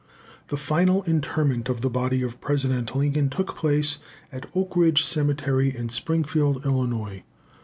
The final interment of the body of President Lincoln took place at Oak Ridge Cemetery, in Springfield, Illinois.